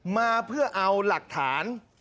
มาเพื่อเอาหลักฐาน